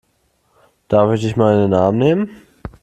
Darf ich dich mal in den Arm nehmen?